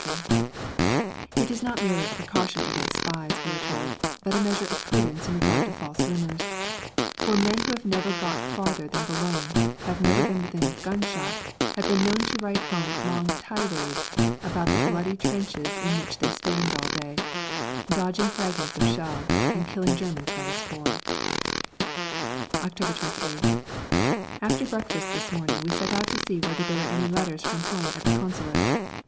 This is not merely a precaution against spies, we are told, but a measure of prudence in regard to false rumours; for men who have never got farther than Boulogne, and never been within gunshot, have been known to write home long tirades about the bloody trenches in which they stand all day, dodging fragments of shells and killing Germans by the score! October 28th. After breakfast this morning we set out to see whether there were any letters from home at the Consulate.